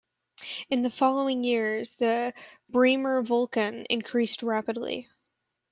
In the following years the Bremer Vulkan increased rapidly.